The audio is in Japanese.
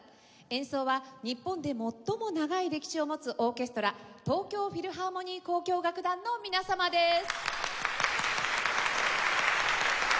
演奏は日本で最も長い歴史を持つオーケストラ東京フィルハーモニー交響楽団の皆様です。